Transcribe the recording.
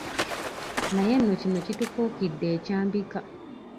Naye nno kino kitufuukidde ekyambika.